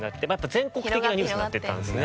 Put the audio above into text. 全国的なニュースになっていったんですね。